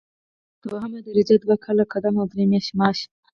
دوهمه درجه دوه کاله قدم او درې میاشتې معاش.